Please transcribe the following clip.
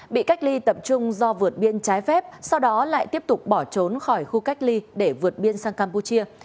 bị cách ly tập trung do vượt biên trái phép sau đó lại tiếp tục bỏ trốn khỏi khu cách ly để vượt biên sang campuchia